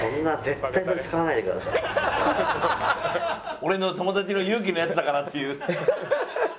俺の友達のユウキのやつだからっていう。